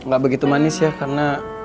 gak begitu manis ya karena